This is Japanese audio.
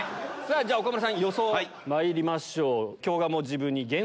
じゃ岡村さん予想まいりましょう。